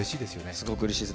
すごくうれしいです。